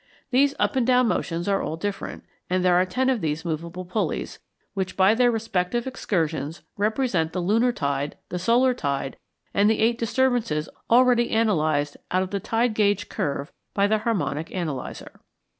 These up and down motions are all different, and there are ten of these movable pulleys, which by their respective excursions represent the lunar tide, the solar tide, and the eight disturbances already analyzed out of the tide gauge curve by the harmonic analyzer.